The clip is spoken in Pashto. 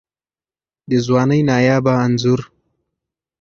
د ځوانۍ نایابه انځور